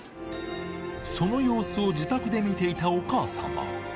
その様子を自宅で見ていたお母様。